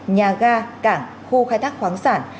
nhà ga cảng khu khai thác khoáng sản